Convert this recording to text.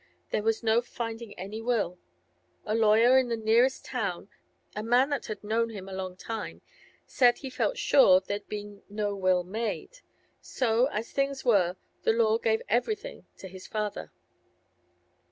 There was no finding any will; a lawyer in the nearest town, a man that had known him a long time, said he felt sure there'd been no will made. So, as things were, the law gave everything to his father.